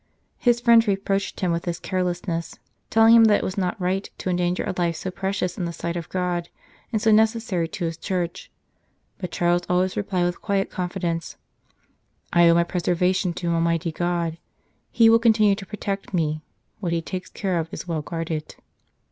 His friends reproached him with this careless ness, telling him that it was not right to endanger a life so precious in the sight of God and so necessary to His Church, but Charles always replied with quiet confidence :" I owe my preser vation to Almighty God; He will continue to protect me; what He takes care of is well guarded."